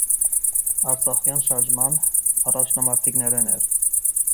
Արցախեան շարժման առաջնամարտիկներէն էր։